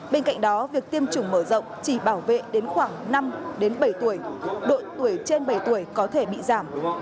bên cạnh đó việc tiêm chủng mở rộng chỉ bảo vệ đến khoảng năm bảy tuổi độ tuổi trên bảy tuổi có thể bị giảm